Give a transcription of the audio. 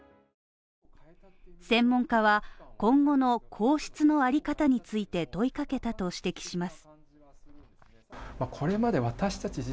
専門家は今後の皇室の在り方について問いかけたと指摘します。